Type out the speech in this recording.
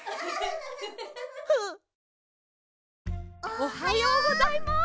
おはようございます。